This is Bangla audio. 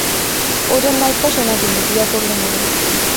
ওজন মাইপ্পা সোনা দিমু, বিয়া করলে মোরে।